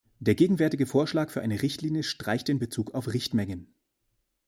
Der gegenwärtige Vorschlag für eine Richtlinie streicht den Bezug auf Richtmengen.